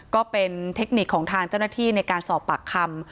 ก็เป็นเทคนิคของทางเจ้าหน้าที่ในการสอบปากคำ